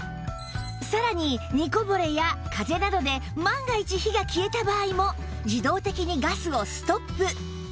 さらに煮こぼれや風などで万が一火が消えた場合も自動的にガスをストップ